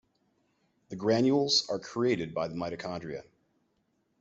The granules are created by the mitochondria.